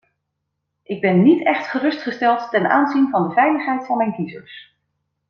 Ik ben niet echt gerustgesteld ten aanzien van de veiligheid van mijn kiezers.